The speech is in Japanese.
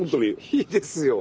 いいですよ